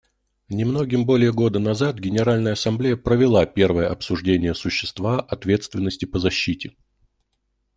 Немногим более года назад Генеральная Ассамблея провела первое обсуждение существа «ответственности по защите».